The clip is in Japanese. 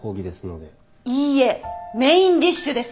いいえメインディッシュです！